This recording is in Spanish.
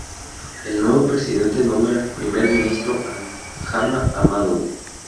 El nuevo presidente nombra primer ministro a Hama Amadou.